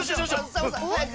サボさんはやく！